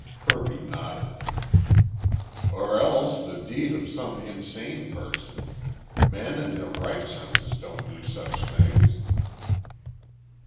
Kirby nodded. "Or else the deed of some insane person. Men in their right senses don't do such things."